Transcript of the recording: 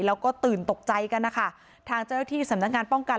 แล้วก็ตื่นตกใจกันนะคะทางเจ้าหน้าที่สำนักงานป้องกัน